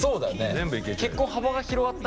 全部いける。